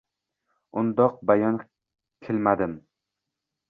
Undoq bayon kilmadim.